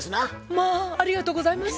まあありがとうございます。